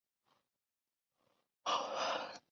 给身边的人带来不幸